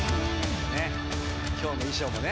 今日の衣装もね